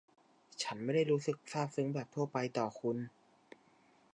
ฉันไม่ได้รู้สึกซาบซึ้งแบบทั่วไปต่อคุณ